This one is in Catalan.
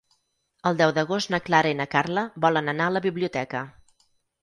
El deu d'agost na Clara i na Carla volen anar a la biblioteca.